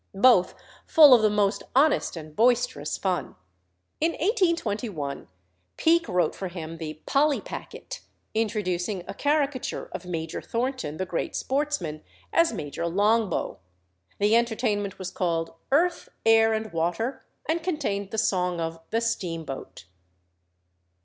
both full of the most honest and boisterous fun. In 1821 Peake wrote for him the "Polly Packet," introducing a caricature of Major Thornton, the great sportsman, as Major Longbow. The entertainment was called "Earth, Air, and Water," and contained the song of "The Steam Boat."